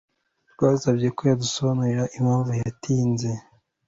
Twasabye ko yadusobanurira impamvu yatinze.